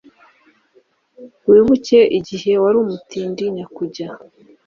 wibuke igihe wari umutindi nyakujya,